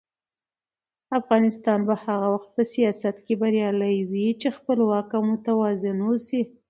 افغانستان به هغه وخت په سیاست کې بریالی وي چې خپلواک او متوازن واوسي.